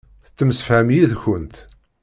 Tettemsefham yid-kent.